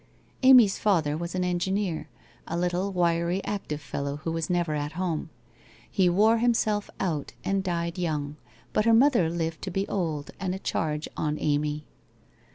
Amy's father was an engineer, a little wiry active fel low who was never at home. He wore himself out and died young. But her mother lived to be old and a charge on Amy.